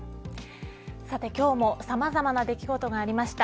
さて今日もさまざまな出来事がありました。